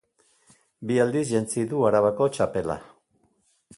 Bi aldiz jantzi du Arabako txapela.